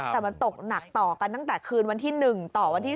แต่มันตกหนักต่อกันตั้งแต่คืนวันที่๑ต่อวันที่๒